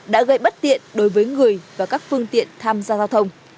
đã gây bất tiện đối với người và các phương tiện tham gia giao thông